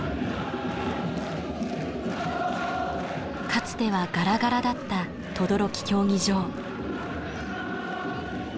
かつてはガラガラだった等々力競技場。